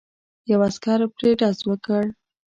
یو عسکر پرې ډز وکړ.